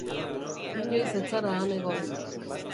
Inoiz ez zara han egon.